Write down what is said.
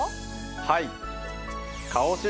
はい。